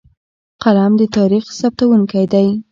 قلم د تاریخ ثبتونکی دی.